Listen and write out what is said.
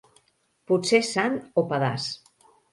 Pot ser sant o pedaç.